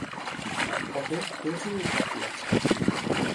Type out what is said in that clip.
পটে প্রচুর কফি আছে।